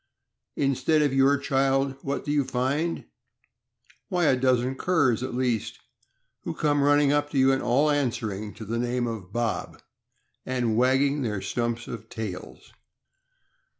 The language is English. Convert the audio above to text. Instead of your child, what do you find? Why, a dozen curs, at least, who come run ning up to you, all answering to the name of Bob, and wagging their stumps of tails."